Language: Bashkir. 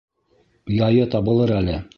Яйы табылыр әле...